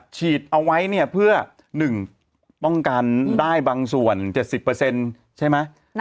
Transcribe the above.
ฉีดเอาไว้เนี่ยเพื่อ๑ป้องกันได้บางส่วน๗๐ใช่ไหม